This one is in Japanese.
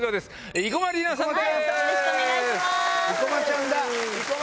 生駒ちゃんだ！